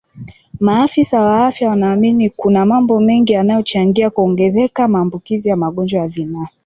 Maafisa wa afya wanaamini kuna mambo mengi yanayochangia kuongezeka maambukizi ya magonjwa ya zinaa